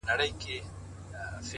پوهه په شریکولو زیاتېږي’